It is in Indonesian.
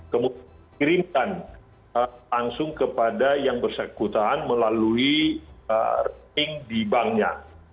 kemudian kirimkan langsung kepada yang bersangkutan melalui rekening di banknya